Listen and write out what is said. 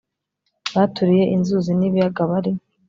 baturiye inzuzi n ibiyaga bari